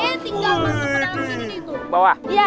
pak d tinggal masuk ke dalam sini tuh